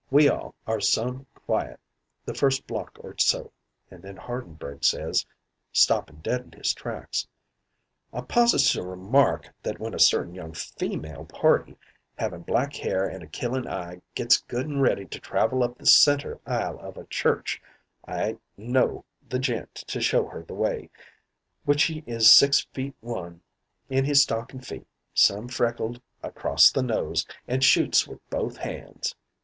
We all are some quiet the first block or so, and then Hardenberg says stoppin' dead in his tracks: "'I pauses to remark that when a certain young feemale party havin' black hair an' a killin' eye gets good an' ready to travel up the centre aisle of a church, I know the gent to show her the way, which he is six feet one in his stocking feet, some freckled across the nose, an' shoots with both hands.'